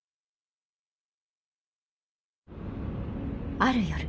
ある夜